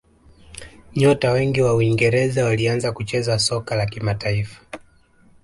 nyota wengi wa uingereza walianza kucheza soka la kimataifa